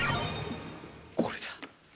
これだ。